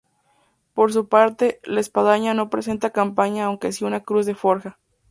Por su parte, la espadaña no presenta campana aunque sí una cruz de forja.